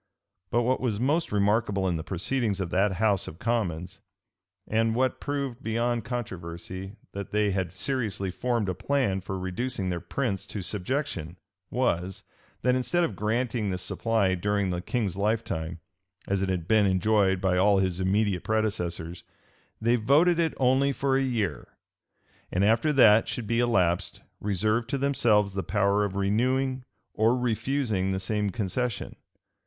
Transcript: But what was most remarkable in the proceedings of that house of commons, and what proved beyond controversy that they had seriously formed a plan for reducing their prince to subjection, was, that instead of granting this supply during the king's lifetime, as it had been enjoyed by all his immediate predecessors, they voted it only for a year; and, after that should be elapsed, reserved to themselves the power of renewing or refusing the same concession.